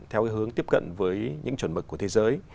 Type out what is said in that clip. theo hướng tiếp cận với những chuẩn mực của thế giới